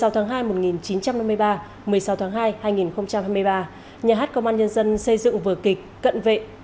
sáu tháng hai một nghìn chín trăm năm mươi ba một mươi sáu tháng hai hai nghìn hai mươi ba nhà hát công an nhân dân xây dựng vở kịch cận vệ